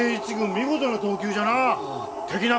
見事な投球じゃな。